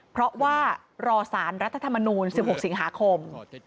เพราะว่ารอสารรัฐธรรมนูล๑๖สิงหาคม